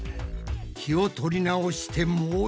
気を取り直してもう一度。